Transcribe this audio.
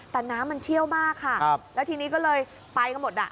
แต่น้ำมันเชี่ยวมากค่ะแล้วทีนี้ก็เลยไปกันหมดอ่ะ